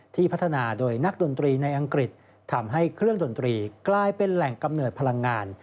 พัฒนาโดยนักดนตรีในอังกฤษทำให้เครื่องดนตรีกลายเป็นแหล่งกำเนิดพลังงาน